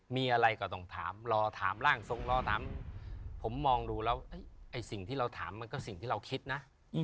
มีอะไรก็ต้องถามรอถามร่างทรงรอถามผมมองดูแล้วไอ้สิ่งที่เราถามมันก็สิ่งที่เราคิดนะ